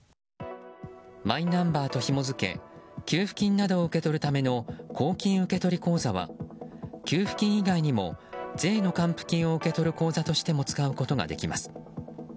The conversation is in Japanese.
マイナンバーとひも付け給付金などを受け取るための公金受取口座は、給付金以外にも税の還付金を受け取る口座としても使うことができます。